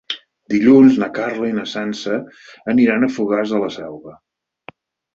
Dilluns na Carla i na Sança aniran a Fogars de la Selva.